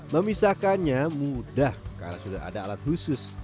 memisahkannya mudah karena sudah ada alat khusus